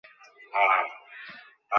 নমস্কার, রাধে ভাইয়া!